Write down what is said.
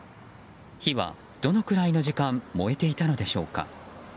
火はどのくらいの時間燃えていたのでしょうか。